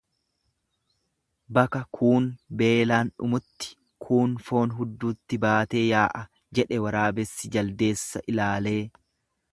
Baka kuun beelaan dhumutti kuun foon hudduutti baatee yaa'a, jedhe waraabessi jaldeessa ilaalee.